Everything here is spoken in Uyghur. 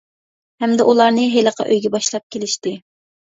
ھەمدە ئۇلارنى ھېلىقى ئۆيگە باشلاپ كېلىشتى.